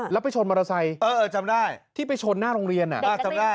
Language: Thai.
แล้วไปชนมอเตอร์ไซค์จำได้ที่ไปชนหน้าโรงเรียนจำได้